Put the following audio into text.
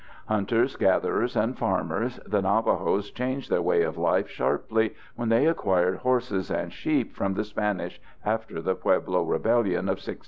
Hunters, gatherers, and farmers, the Navajos changed their way of life sharply when they acquired horses and sheep from the Spanish after the Pueblo Rebellion of 1680.